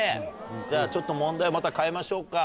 じゃあちょっと問題また変えましょうか。